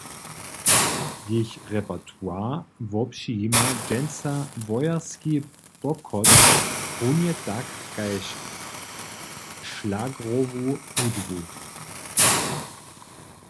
Jich repertoire wopřijima dźensa wojerski pochod runje tak kaž šlagrowu hudźbu.